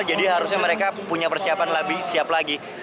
jadi harusnya mereka punya persiapan siap lagi